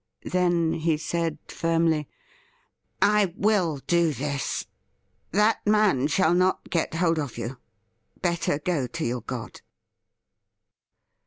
Then he said firmly :' I will do this. That man shall not get hold of you. Better go to your God.'